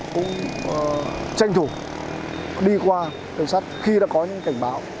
cũng tranh thủ đi qua đường sắt khi đã có những cảnh báo